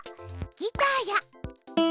ギターや。